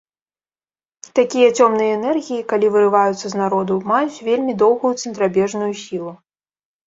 Такія цёмныя энергіі, калі вырываюцца з народу, маюць вельмі доўгую цэнтрабежную сілу.